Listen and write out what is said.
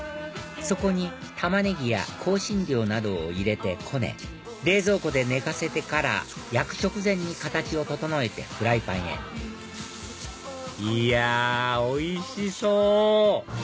そこに玉ネギや香辛料などを入れてこね冷蔵庫で寝かせてから焼く直前に形を整えてフライパンへいやおいしそう！